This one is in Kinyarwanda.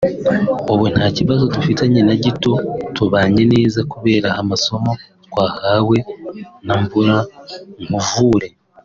ubu nta kibazo dufitanye na gito tubanye neza kubera amasomo twahawe na Mvura nkuvure